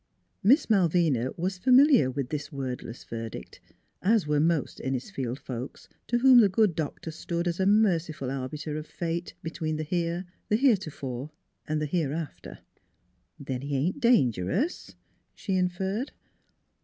Miss Malvina was familiar with this wordless verdict as were most Innisfield folks, to whom the good doctor stood as a merciful arbiter of fate between the here, the heretofore, and the here after. " Then he ain't dangerous," she inferred.